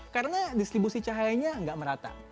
karena distribusi cahayanya nggak merata